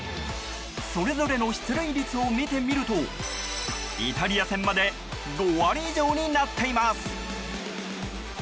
それぞれの出塁率を見てみるとイタリア戦まで５割以上になっています。